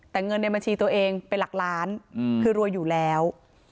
แต่เงินในบัญชีตัวเองเป็นหลักล้านคือรวยอยู่แล้ว